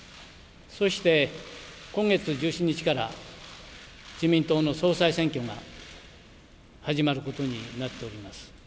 そうして、今月１７日から自民党の総裁選挙が始まることになっております。